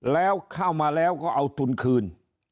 แล้วเข้ามาแล้วก็เอาทุนคืน